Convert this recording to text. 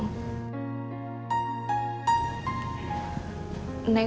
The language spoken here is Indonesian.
kamu gak tau kan